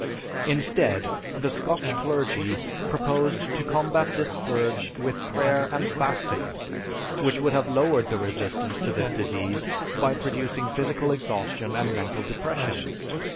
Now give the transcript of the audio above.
Instead, the Scotch clergy proposed to combat this scourge with prayer and fasting, which would have lowered the resistance to this disease by producing physical exhaustion and mental depression.